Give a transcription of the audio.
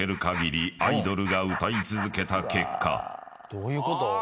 どういうこと？